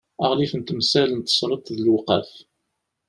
aɣlif n temsal n tesreḍt d lewqaf